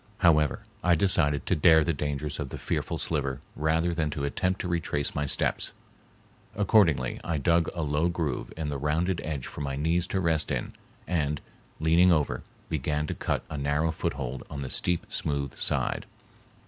However, I decided to dare the dangers of the fearful sliver rather than to attempt to retrace my steps. Accordingly I dug a low groove in the rounded edge for my knees to rest in and, leaning over, began to cut a narrow foothold on the steep, smooth side.